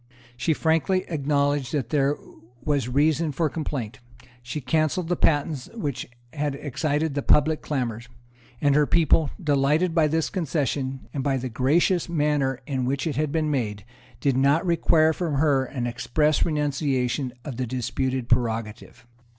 She frankly acknowledged that there was reason for complaint; she cancelled the patents which had excited the public clamours; and her people, delighted by this concession, and by the gracious manner in which it had been made, did not require from her an express renunciation of the disputed prerogative.